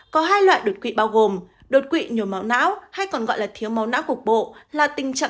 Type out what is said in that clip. có hai loại đột quỵ bao gồm đột quỵ nhồi máu não hay còn gọi là thiếu máu não cục bộ là tình trạng